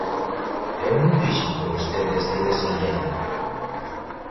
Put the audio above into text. Eu non dixen que vostede estivese illada.